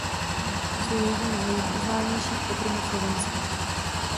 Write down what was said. Jsou jedním z nejznámějších pokrmů Slovenska.